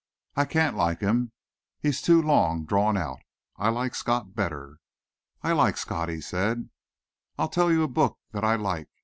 "I can't like him. He's too long drawn out. I like Scott better." "I like Scott," he said. "I'll tell you a lovely book that I like."